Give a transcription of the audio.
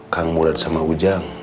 kang murad sama ujang